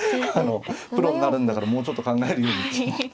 プロになるんだからもうちょっと考えるようにって。